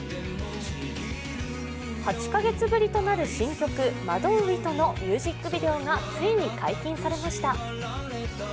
８カ月ぶりとなる新曲、「惑う糸」のミュージックビデオがついに解禁されました。